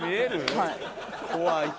はい。